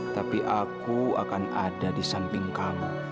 tapi aku akan ada di samping kamu